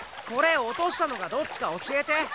これ落としたのがどっちか教えて。